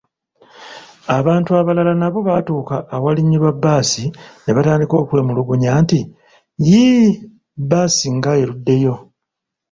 Abantu abalala nabo baatuuka awalinyirwa bbaasi ne batandika okwemulugunya nti, yiiii, bbaasi nga eruddeyo?